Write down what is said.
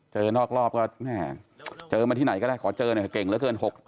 นอกรอบก็แม่เจอมาที่ไหนก็ได้ขอเจอหน่อยเก่งเหลือเกิน